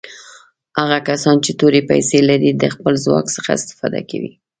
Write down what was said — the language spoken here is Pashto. هغه کسان چې تورې پیسي لري د خپل ځواک څخه استفاده کوي.